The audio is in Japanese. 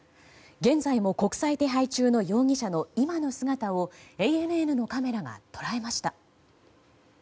現在も国際手配中の容疑者の今の姿をＡＮＮのカメラが捉えました。